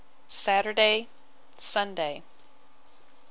Saturday, Sunday.